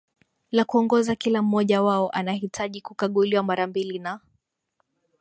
la kuongoza Kila mmoja wao anahitaji kukaguliwa mara mbili na